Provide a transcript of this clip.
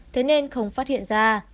thế nên không phát hiện ra